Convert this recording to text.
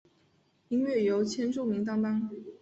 音乐由千住明担当。